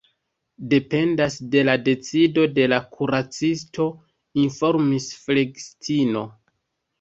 Dependas de la decido de la kuracisto, informis flegistino.